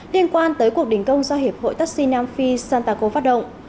liên quan tới cuộc đình công do hiệp hội taxi nam phi santaco phát động